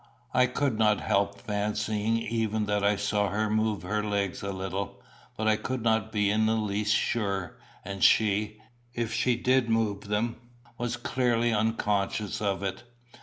I could not help fancying even that I saw her move her legs a little; but I could not be in the least sure; and she, if she did move them, was clearly unconscious of it.